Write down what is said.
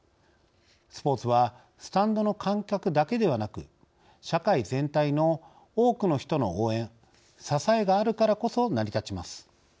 スポーツはスタンドの観客だけではなく社会全体の多くの人の応援支えがあるからこそ成り立ちます。